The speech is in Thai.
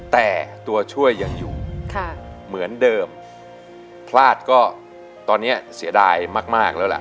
แต่ตัวช่วยยังอยู่ค่ะเหมือนเดิมพลาดก็ตอนนี้เสียดายมากมากแล้วล่ะ